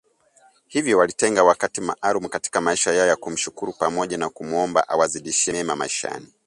Hivyo walitenga wakati maalumu katika maisha yao ya kumshukuru pamoja na kumuomba awazidishie mema maishani